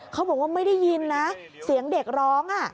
เขาบอกว่าไม่ได้ยินนะเสียงเด็กร้อง